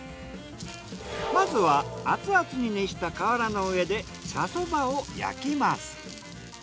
まずはアツアツに熱した瓦の上で茶そばを焼きます。